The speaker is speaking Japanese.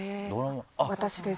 私です。